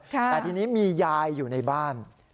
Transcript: แต่ทีนี้มียายอยู่ในบ้าน